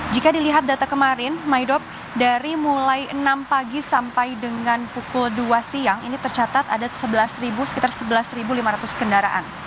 jika dilihat data kemarin maidop dari mulai enam pagi sampai dengan pukul dua siang ini tercatat ada sebelas sekitar sebelas lima ratus kendaraan